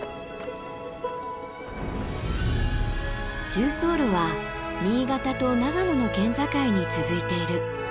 縦走路は新潟と長野の県境に続いている。